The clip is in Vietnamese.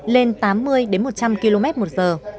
lên tám mươi một trăm linh km một giờ